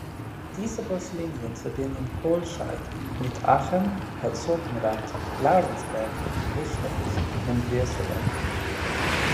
Diese Buslinien verbinden Kohlscheid mit Aachen, Herzogenrath, Laurensberg, Richterich und Würselen.